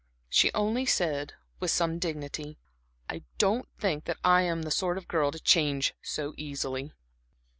She only said, with some dignity: "I don't think that I am the sort of girl to change so easily."